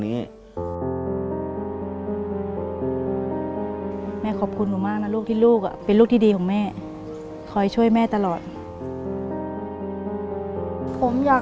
เปลี่ยนเพลงเพลงเก่งของคุณและข้ามผิดได้๑คำ